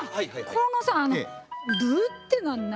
このさ「分」ってのは何？